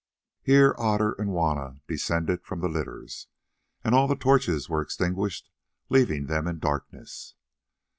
Here Otter and Juanna descended from the litters, and all the torches were extinguished, leaving them in darkness.